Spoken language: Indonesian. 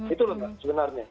itu lho sebenarnya